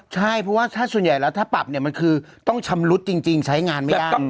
ใช่เพราะว่าถ้าส่วนใหญ่แล้วถ้าปรับเนี่ยมันคือต้องชำรุดจริงใช้งานไม่ได้